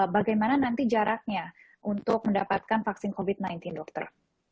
bagaimana nanti jaraknya untuk mendapatkan vaksin covid sembilan belas dokter